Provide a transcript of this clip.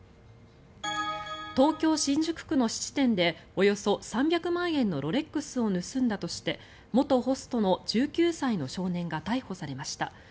東京・新宿区の質店でおよそ３００万円のロレックスを盗んだとして元ホストの１９歳の少年が逮捕されました。